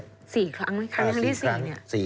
๔ครั้งไหมครั้งที่๔เนี่ย